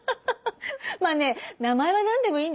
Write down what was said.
まあね名前は何でもいいんですよ。